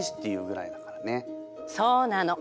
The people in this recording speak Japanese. そうなの。